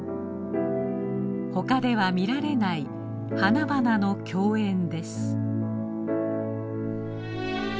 他では見られない花々の供宴です。